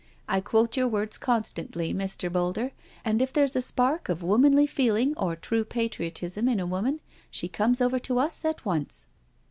I quote your words constantly, Mr. Boulder, and if there's a spark of womanly feeling or true patriotism in a woman she comes over to us at once."